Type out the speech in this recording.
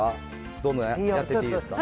どんどんやっていっていいですか。